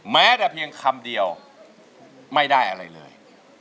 แม้แต่เพียงคำเดียวไม่ได้อะไรเลย